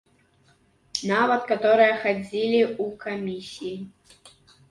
Нават каторыя хадзілі ў камісіі.